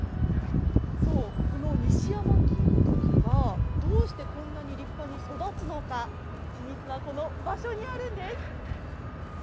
そう、この西山きんときがどうしてこんなに立派に育つのか、秘密はこの場所にあるんです。